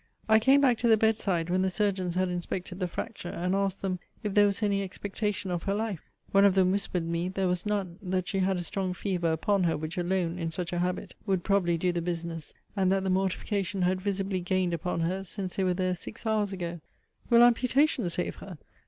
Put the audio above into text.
I came back to the bed side when the surgeons had inspected the fracture; and asked them, If there were any expectation of her life? One of them whispered me, there was none: that she had a strong fever upon her, which alone, in such a habit, would probably do the business; and that the mortification had visibly gained upon her since they were there six hours ago. Will amputation save her?